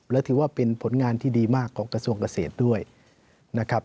และถือว่าเป็นผลงานที่ดีมากของกระทรวงเกษตรด้วยนะครับ